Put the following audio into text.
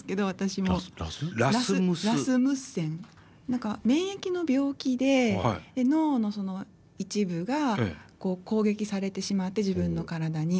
何か免疫の病気で脳の一部が攻撃されてしまって自分の体に。